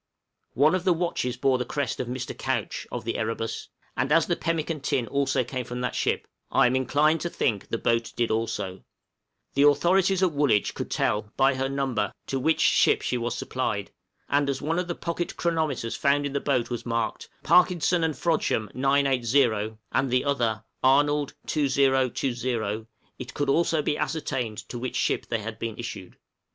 One of the watches bore the crest of Mr. Couch, of the 'Erebus,' and as the pemmican tin also came from that ship, I am inclined to think the boat did also; the authorities at Woolwich could tell (by her number) to which ship she was supplied; and as one of the pocket chronometers found in the boat was marked, "Parkinson and Frodsham 980," and the other "Arnold 2020," it could also be ascertained to which ship they had been issued.